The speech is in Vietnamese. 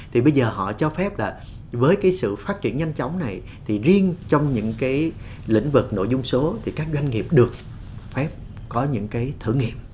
thì bây giờ họ cho phép là với cái sự phát triển nhanh chóng này thì riêng trong những cái lĩnh vực nội dung số thì các doanh nghiệp được phép có những cái thử nghiệm